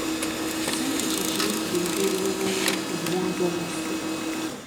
Ssente kye kimu ku bintu ebyonoonye obuwangwa bwaffe.